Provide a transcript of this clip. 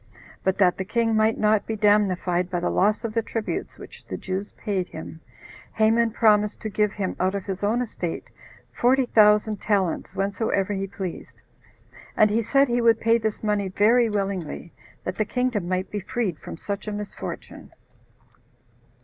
But that the king might not be damnified by the loss of the tributes which the Jews paid him, Haman promised to give him out of his own estate forty thousand talents whensoever he pleased; and he said he would pay this money very willingly, that the kingdom might be freed from such a misfortune.